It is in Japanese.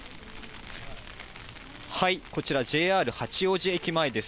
こちら、ＪＲ八王子駅前です。